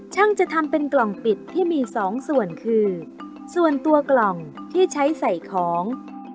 ช่างจะทำเป็นกล่องปิดที่มีสองส่วนคือส่วนตัวกล่องที่ใช้ใส่ของ